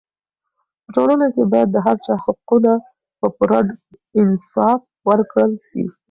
په ټولنه کې باید د هر چا حقونه په پوره انصاف ورکړل سي.